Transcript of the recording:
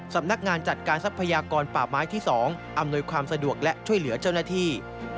สำนักงานจัดการทรัพยากรป่าไม้ที่๒อำนวยความสะดวกและช่วยเหลือเจ้าหน้าที่